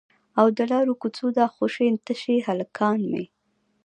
او د لارو کوڅو دا خوشي تشي هلکان مې